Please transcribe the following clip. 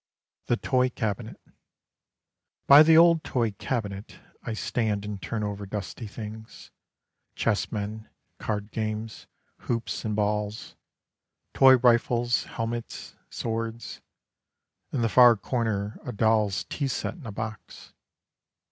THE TOY CABINET By the old toy cabinet, I stand and turn over dusty things: Chessmen card games hoops and balls Toy rifles, helmets, swords, In the far corner A doll's tea set in a box.